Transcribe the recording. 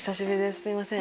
すみません。